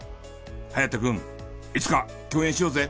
颯くんいつか共演しようぜ！